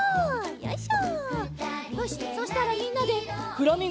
よいしょ。